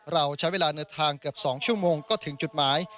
เราใช้เวลาเดินทางเกือบ๒ชั่วโมงก็ถึงจุดหมาย